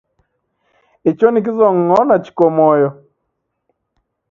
Icho ni kizong'ona chiko moyo